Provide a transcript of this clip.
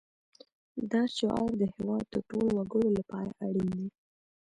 دا شعار د هېواد د ټولو وګړو لپاره اړین دی